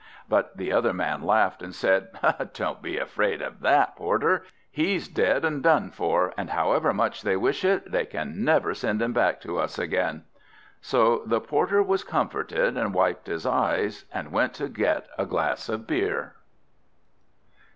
But the other man laughed, and said, "Don't be afraid of that, Porter! He's dead and done for, and however much they wish it, they can never send him back to us again." So the Porter was comforted, and wiped his eyes, and went to get a glass of beer.